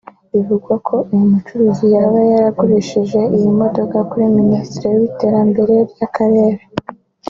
Bivugwa ko uyu mucuruzi yaba yaragurishije iyi modoka kuri Minisitiri w’Iterambere ry’akarere